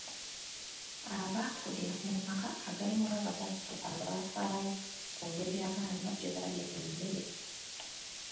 Abaakulira mu maka agalimu abazadde abafaayo ku ngeri abaana gye balya emmere.